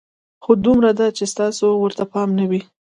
خو دومره ده چې ستاسو ورته پام نه وي.